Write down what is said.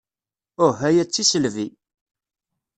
Uh, aya d tisselbi.